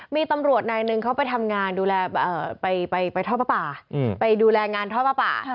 มีตำรวจนายหนึ่งเขาไปทำงานดูแลไปท่อประปา